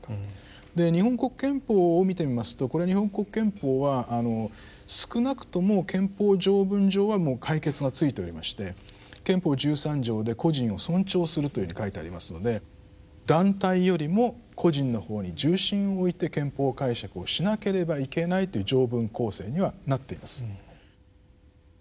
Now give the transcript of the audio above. で日本国憲法を見てみますとこれ日本国憲法は少なくとも憲法条文上はもう解決がついておりまして憲法十三条で個人を尊重するというふうに書いてありますので団体よりも個人の方に重心を置いて憲法解釈をしなければいけないという条文構成にはなっています。